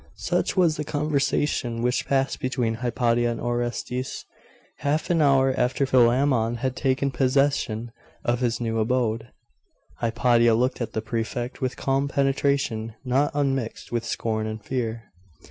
Such was the conversation which passed between Hypatia and Orestes half an hour after Philammon had taken possession of his new abode. Hypatia looked at the Prefect with calm penetration, not unmixed with scorn and fear.